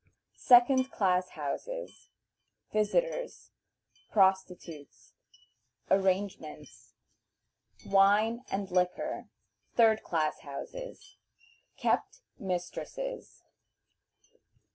Second Class Houses. Visitors. Prostitutes. Arrangements. Wine and Liquor. Third Class Houses. Kept Mistresses.